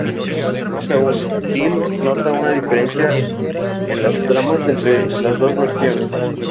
Más aún, Dill nota una diferencia en las tramas entre las dos versiones.